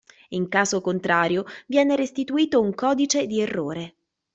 In caso contrario viene restituito un codice di errore.